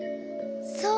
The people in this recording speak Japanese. そう？